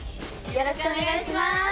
よろしくお願いします。